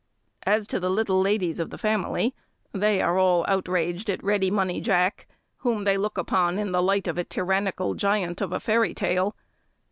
As to the little ladies of the family, they are all outrageous at Ready Money Jack, whom they look upon in the light of a tyrannical giant of fairy tale.